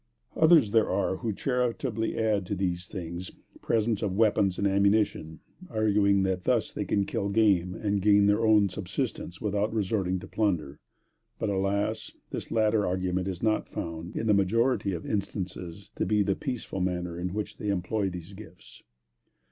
Others there are who charitably add to these things, presents of weapons and ammunition, arguing that thus they can kill their game, and gain their own subsistence without resorting to plunder; but alas! this latter argument is not found, in the majority of instances, to be the peaceful manner in which they employ these gifts.